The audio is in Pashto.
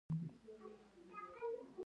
چار مغز د افغانستان د موسم د بدلون سبب کېږي.